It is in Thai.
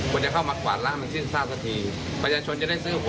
ถูกรางวัลที่๑เท่าไหร่เขาก็ซื้อ